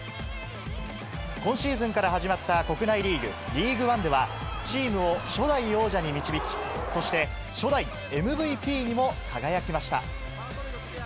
今シーズンから始まった国内リーグ、リーグワンでは、チームを初代王者に導き、そして、初代ＭＶＰにも輝きました。